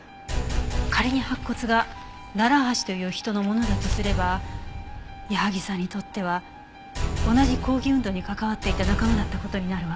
仮に白骨が楢橋という人のものだとすれば矢萩さんにとっては同じ抗議運動に関わっていた仲間だった事になるわ。